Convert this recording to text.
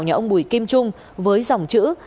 nhà ông bùi kim trung với dòng chữ